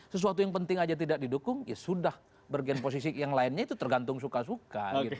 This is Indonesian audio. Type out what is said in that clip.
sesuatu yang penting aja tidak didukung ya sudah bergen posisi yang lainnya itu tergantung suka suka